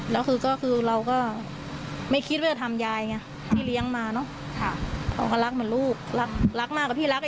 แล้วคือก็ก็เราก็ไม่คิดเพื่อทำยายเงพี่เลี้ยงมาเนอะ